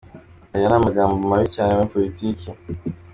Aya ni amagambo mabi cyane muri politiki.